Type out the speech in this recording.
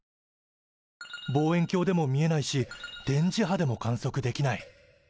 望遠鏡でも見えないし電磁波でも観測できない。